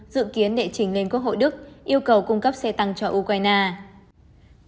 dự kiến đệ trình lên quốc hội đức yêu cầu cung cấp xe tăng cho ukraine